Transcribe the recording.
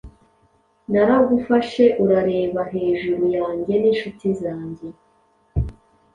Naragufashe urareba hejuru yanjye n'inshuti zanjye